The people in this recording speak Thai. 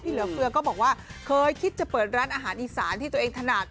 เหลือเฟือก็บอกว่าเคยคิดจะเปิดร้านอาหารอีสานที่ตัวเองถนัด